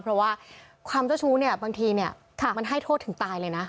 เพราะว่าความเจ้าชู้เนี่ยบางทีเนี่ยมันให้โทษถึงตายเลยนะ